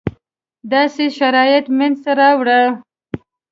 داسې شرایط منځته راوړو.